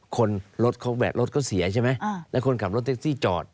คนรถเขาแวะรถเขาเสียใช่ไหมแล้วคนขับรถแท็กซี่จอด